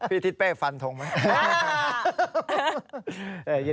พี่ทิศเป้ฟันทงมั้ย